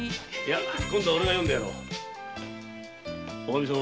今度はオレが読んでやろう。